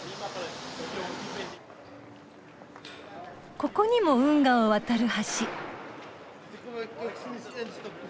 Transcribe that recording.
ここにも運河を渡る橋。